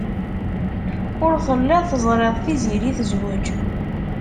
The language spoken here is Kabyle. Ur telliḍ teẓriḍ Tiziri tezwej.